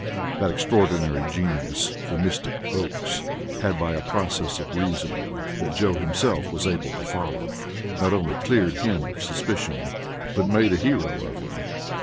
That extraordinary genius the mystic Oakes had, by a process of reasoning that Joe himself was able to follow, not only cleared him of suspicion, but made a hero of him.